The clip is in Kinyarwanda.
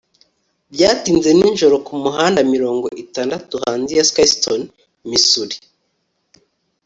byatinze nijoro kumuhanda mirongo itandatu hanze ya sikeston missouri